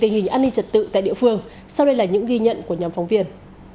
tình hình an ninh trật tự tại địa phương sau đây là những ghi nhận của nhóm phóng viên